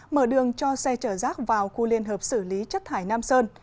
mở đường cho xe chở rác vào khu liên hợp xử lý chất thải nam sơn